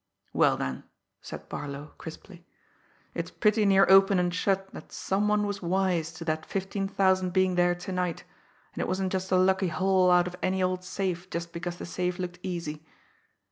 "Well then," said Barlow crisply, "it's pretty near open and shut that some one was wise to that fifteen thousand being there to night, and it wasn't just a lucky haul out of any old safe just because the safe looked easy."